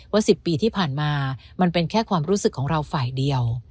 ๑๐ปีที่ผ่านมามันเป็นแค่ความรู้สึกของเราฝ่ายเดียว